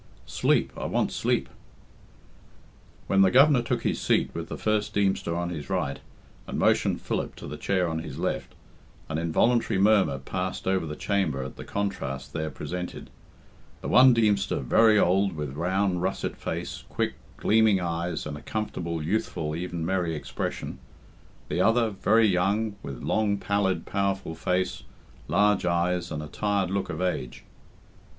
Sleep, I want sleep." When the Governor took his seat with the first Deemster on his right, and motioned Philip to the chair on his left, an involuntary murmur passed over the chamber at the contrast there presented the one Deemster very old, with round, russet face, quick, gleaming eyes, and a comfortable, youthful, even merry expression; the other, very young, with long, pallid, powerful face, large eyes, and a tired look of age.